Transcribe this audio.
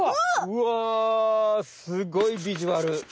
うわすごいビジュアル！